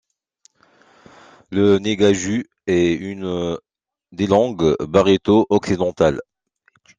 Le ngaju est une des langues barito occidentales.